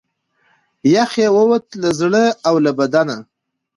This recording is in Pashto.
یخ یې ووتی له زړه او له بدنه